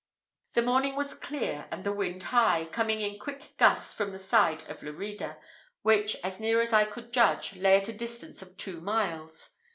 The morning was clear and the wind high, coming in quick gusts from the side of Lerida, which, as near as I could judge, lay at the distance of two miles.